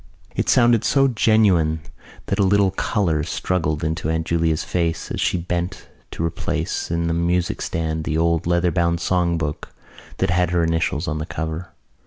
It sounded so genuine that a little colour struggled into Aunt Julia's face as she bent to replace in the music stand the old leather bound songbook that had her initials on the cover.